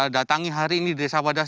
datangi hari ini desa wadas